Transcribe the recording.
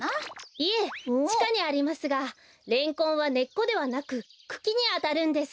いえちかにありますがレンコンはねっこではなくくきにあたるんです。